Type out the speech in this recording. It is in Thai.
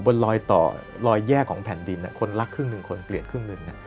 บนรอยต่อรอยแยกของแผ่นดินคนรักครึ่งหนึ่งคนเกลียดครึ่งหนึ่ง